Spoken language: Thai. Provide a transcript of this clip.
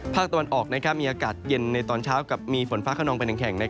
ภาคตะวันออกมีอากาศเย็นในตอนเช้ากับมีฝนฟ้าขนองไปหนึ่งแห่ง